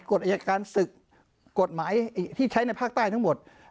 กรดิสรภาพผู้อาจารย์การศึกษ์กฎหมายที่ใช้ในภาคใต้ทั้งหมด